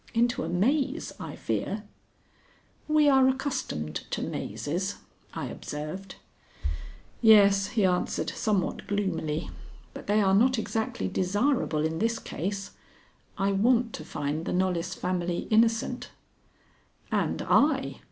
Into a maze, I fear." "We are accustomed to mazes," I observed. "Yes," he answered somewhat gloomily, "but they are not exactly desirable in this case. I want to find the Knollys family innocent." "And I.